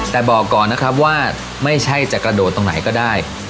แต่บอกก่อนนะครับว่าไม่ใช่จะกระโดดตรงไหนก็ได้